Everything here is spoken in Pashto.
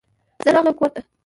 زه راغلم کور ته.